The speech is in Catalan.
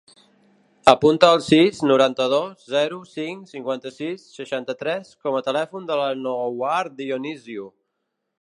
Apunta el sis, noranta-dos, zero, cinc, cinquanta-sis, seixanta-tres com a telèfon de l'Anouar Dionisio.